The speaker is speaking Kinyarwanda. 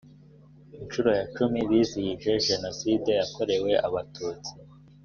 inshuro ya cumi bizihiza jenoside yakorewe abatutsi